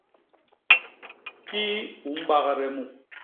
Kii i u mbagde mu?